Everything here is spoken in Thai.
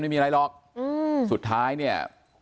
ไม่มีอะไรหรอกอืมสุดท้ายเนี่ย